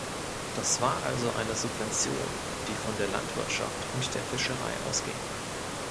Das war also eine Subvention, die von der Landwirtschaft und der Fischerei ausging .